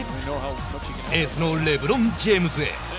エースのレブロン・ジェームズへ。